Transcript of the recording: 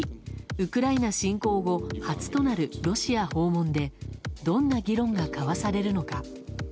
ウクライナ侵攻後初となるロシア訪問でどんな議論が交わされるのか。